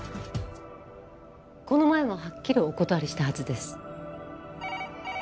この前もはっきりお断りしたはずです。